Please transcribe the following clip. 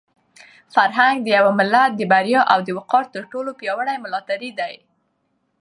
فرهنګ د یو ملت د بریا او د وقار تر ټولو پیاوړی ملاتړی دی.